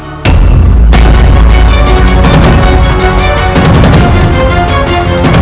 aku akan menjadikanmu penyakit